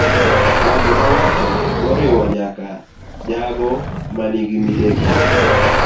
Ng'ato ka ng'ato, moriwo nyaka jogo ma nigi midekre